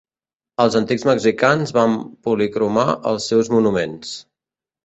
Els antics mexicans van policromar els seus monuments.